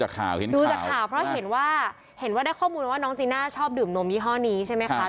ต้องเข้าเลยตอนเนี้ยดูจากข่าวเห็นข่าวเพราะเห็นว่าได้ข้อมูลนี้ว่าน้องจีน่าชอบดื่มนมยี่ห่อนี้ใช่ไหมคะ